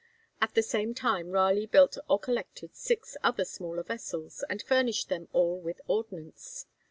At the same time Raleigh built or collected six other smaller vessels, and furnished them all with ordnance.